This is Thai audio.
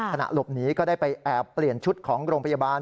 ขณะหลบหนีก็ได้ไปแอบเปลี่ยนชุดของโรงพยาบาล